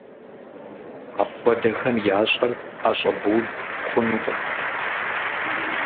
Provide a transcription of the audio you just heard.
Апхуэдэхэм ящӏэр ӏэщӏэбууд хъунукъым.